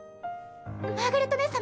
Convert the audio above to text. マーガレット姉様